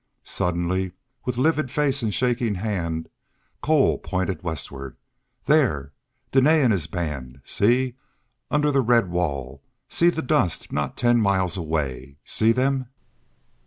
Suddenly, with livid face and shaking hand, Cole pointed westward. "There! Dene and his band! See, under the red wall; see the dust, not ten miles away. See them?"